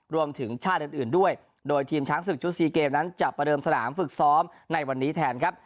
รวมถึงชาติอื่นด้วยโดยทีมช้างศึกชุดซีเกมนั้นจะประเดิมสนามฝึกซ้อมในวันนี้แทนครับ